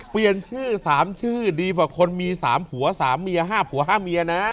เปลี่ยนชื่อสามชื่อดีกว่าคนมีสามผัวสามเมียห้าผัวห้าเมียนะ